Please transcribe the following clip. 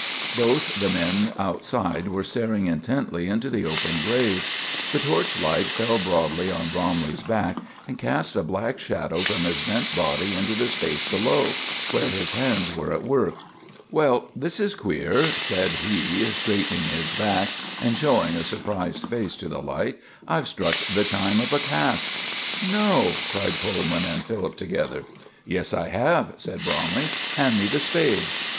Both the men outside were staring intently into the open grave. The torch light fell broadly on Bromley's back, and cast a black shadow from his bent body into the space below, where his hands were at work. "Well, this is queer!" said he, straightening his back and showing a surprised face to the light. "I've struck the chime of a cask." "No!" cried Coleman and Philip together. "Yes, I have," said Bromley. "Hand me the spade."